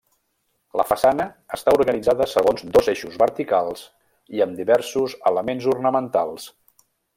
La façana està organitzada segons dos eixos verticals i amb diversos elements ornamentals.